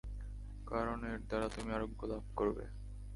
কারণ এর দ্বারা তুমি আরোগ্য লাভ করবে।